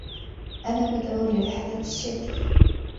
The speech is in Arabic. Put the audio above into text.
أنا مدعوّ لرحلة الشّركة.